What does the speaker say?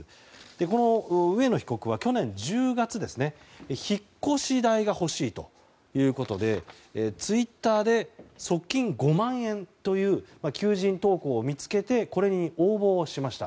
この上野被告は去年１０月引っ越し代が欲しいということでツイッターで即金５万円という求人投稿を見つけてこれに応募をしました。